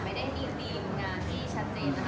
จริงแล้วมันไม่ได้ดีงานที่ชัดเจนนะคะ